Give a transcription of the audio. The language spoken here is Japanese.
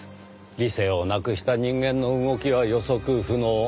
理性をなくした人間の動きは予測不能。